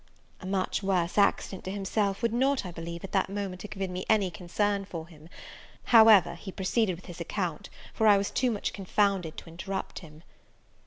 A much worse accident to himself would not, I believe, at that moment have given me any concern for him: however, he proceeded with his account, for I was too much confounded to interrupt him.